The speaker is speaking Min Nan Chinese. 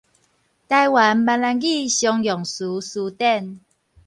臺灣閩南語常用詞辭典